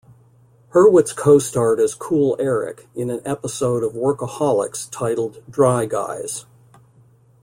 Hurwitz co-starred as "Cool Eric" in an episode of "Workaholics" titled "Dry Guys.